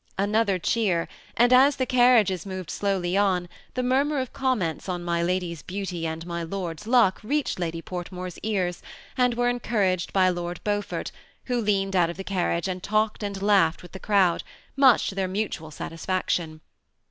Another cheer, and as the carriages moved slowly on, the murmur of comments on my lady's beauty and ray lord's luck reached Lady Portmore's ears, and were encouraged by Lord Beaufort, who leaned out of the carriage and talked and laughed with the crowd, much to their mutual satisfaction.